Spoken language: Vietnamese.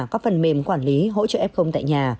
các phần mềm quản lý hỗ trợ ép không tại nhà